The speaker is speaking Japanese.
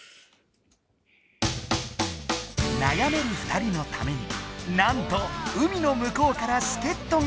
なやめるふたりのためになんと海のむこうからすけっとが！